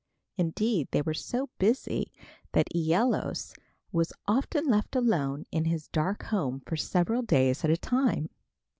Indeed, they were so busy that Æolus was often left alone in his dark home for several days at a time.